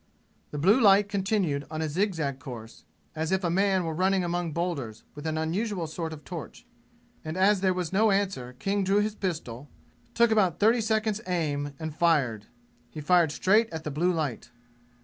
The blue light continued on a zigzag course, as if a man were running among boulders with an unusual sort of torch; and as there was no answer King drew his pistol, took about thirty seconds' aim and fired. He fired straight at the blue light.